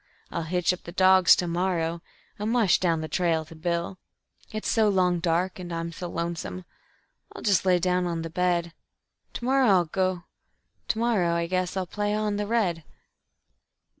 I'll hitch up the dogs to morrow, and mush down the trail to Bill. It's so long dark, and I'm lonesome I'll just lay down on the bed; To morrow I'll go... to morrow... I guess I'll play on the red.